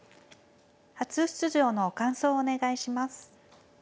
初出場の感想をお願いします。